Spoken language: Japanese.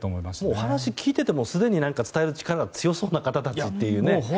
お話聞いていても、すでに伝える力が強そうな方たちと。